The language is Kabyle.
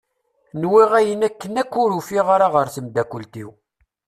Nwiɣ ayen akken akk ur ufiɣ ara ɣer temddakelt-iw.